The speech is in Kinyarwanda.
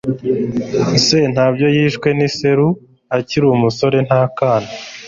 sentabyo yishwe n'iseru akiri umusore nta kana